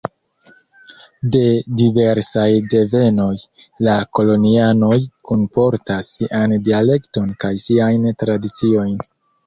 De diversaj devenoj, la kolonianoj kunportas sian dialekton kaj siajn tradiciojn.